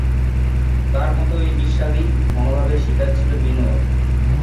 তার মত এই বিস্বাদী মনোভাবের শিকার ছিল মিনুও।